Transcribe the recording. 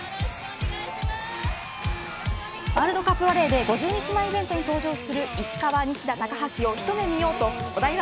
ワールドカップバレーで５０日前イベントに登場する石川、西田、高橋を一目見ようとお台場